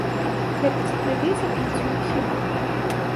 Гэта цікавей за працу ў архівах?